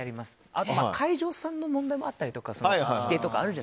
あと、会場さんの問題もあったりとか。